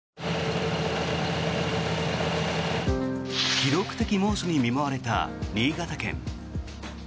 記録的猛暑に見舞われた新潟県。